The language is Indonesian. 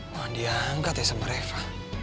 mau diangkat ya sama reva